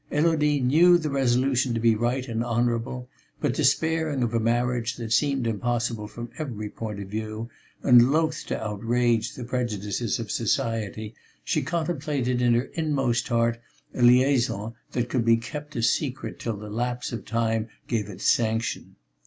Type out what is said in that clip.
Élodie knew the resolution to be right and honourable; but, despairing of a marriage that seemed impossible from every point of view and loath to outrage the prejudices of society, she contemplated in her inmost heart a liaison that could be kept a secret till the lapse of time gave it sanction.